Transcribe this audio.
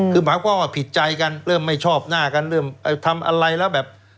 คือหมายความว่าผิดใจกันเริ่มไม่ชอบหน้ากันเริ่มทำอะไรแล้วแบบ